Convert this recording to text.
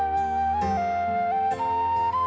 บ๊ายบาย